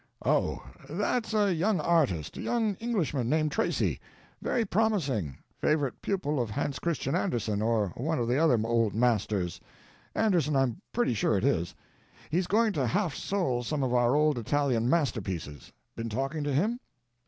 Oh, that's a young artist; young Englishman, named Tracy; very promising—favorite pupil of Hans Christian Andersen or one of the other old masters—Andersen I'm pretty sure it is; he's going to half sole some of our old Italian masterpieces. Been talking to him?"